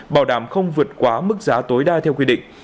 bảo đảm không vượt quá mức giá tối đa theo quy định